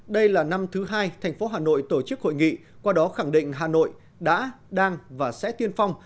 đây là năm thứ hai thành phố hà nội tổ chức hội nghị qua đó khẳng định hà nội đã đang và sẽ tiên phong